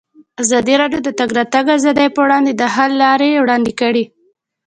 ازادي راډیو د د تګ راتګ ازادي پر وړاندې د حل لارې وړاندې کړي.